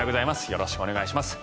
よろしくお願いします。